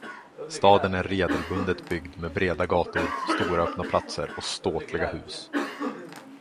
Staden är regelbundet byggd med breda gator, stora öppna platser och ståtliga hus.